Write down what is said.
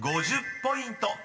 ［５０ポイント。